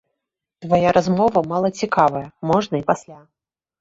Твая размова мала цікавая, можна і пасля!